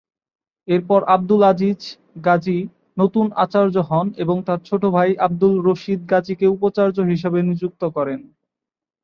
এরপর আব্দুল আজিজ গাজী নতুন আচার্য হন এবং তার ছোট ভাই আব্দুল রশীদ গাজীকে উপাচার্য হিসেবে নিযুক্ত করেন।